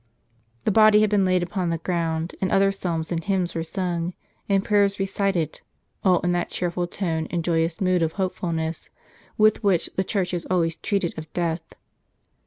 The body had been laid upon the ground, and other psalms and hymns were sung, and prayers recited, all in that cheerful tone and joyous mood of hopefulness, with which the Church has always treated of death.